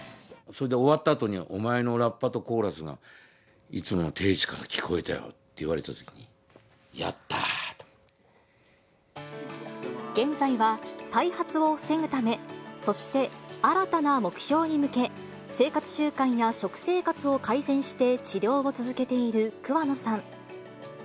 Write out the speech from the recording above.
それで終わったあとには、お前のラッパとコーラスがいつもの定位置から聴こえたよって言わ現在は再発を防ぐため、そして新たな目標に向け、生活習慣や食生活を改善して治療を続けている桑野さん。